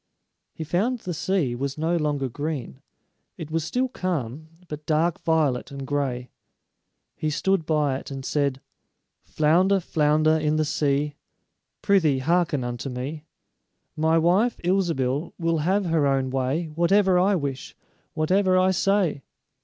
He found the sea was no longer green; it was still calm, but dark violet and gray. He stood by it and said: "Flounder, flounder in the sea, Prythee, hearken unto me: My wife, Ilsebil, will have her own way Whatever I wish, whatever I say."